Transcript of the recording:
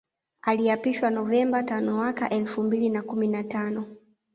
Aliapishwa Novemba tanowaka elfu mbili na kumi na tano